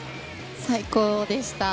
最高でした。